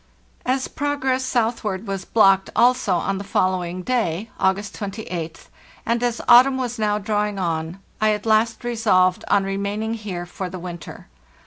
As progress southward was blocked also on the fol lowing day (August 28th), and as autumn was now draw ing on, I at last resolved on remaining here for the winter.